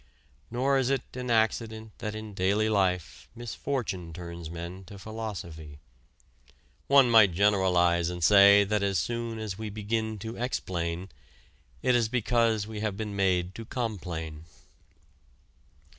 Nor is it an accident that in daily life misfortune turns men to philosophy. One might generalize and say that as soon as we begin to explain, it is because we have been made to complain.